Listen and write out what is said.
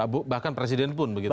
bahkan presiden pun begitu